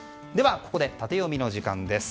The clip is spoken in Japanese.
ここでタテヨミの時間です。